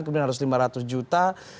kemudian harus lima ratus juta